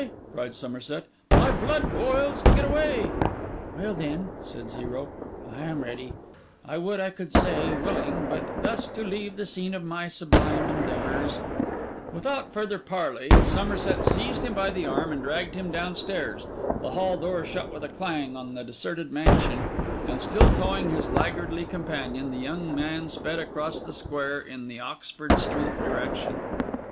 cried Somerset. 'My blood boils to get away.' 'Well, then,' said Zero, 'I am ready; I would I could say, willing; but thus to leave the scene of my sublime endeavours—' Without further parley, Somerset seized him by the arm, and dragged him downstairs; the hall door shut with a clang on the deserted mansion; and still towing his laggardly companion, the young man sped across the square in the Oxford Street direction.